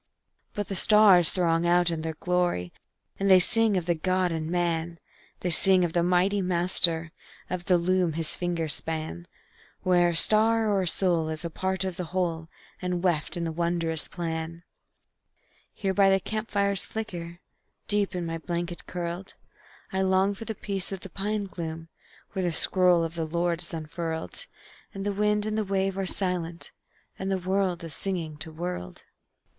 But the stars throng out in their glory, And they sing of the God in man; They sing of the Mighty Master, Of the loom his fingers span, Where a star or a soul is a part of the whole, And weft in the wondrous plan. Here by the camp fire's flicker, Deep in my blanket curled, I long for the peace of the pine gloom, When the scroll of the Lord is unfurled, And the wind and the wave are silent, And world is singing to world.